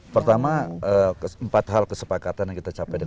pertama empat hal kesepakatan yang kita capai